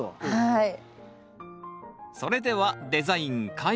はい。